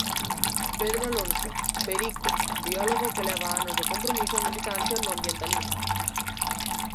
Pedro Alonso, 'Perico', biólogo que leva anos de compromiso e militancia no ambientalismo.